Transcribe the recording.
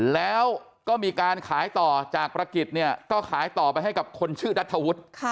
แล้วก็มีการขายต่อจากประกิจเนี่ยก็ขายต่อไปให้กับคนชื่อนัทธวุฒิ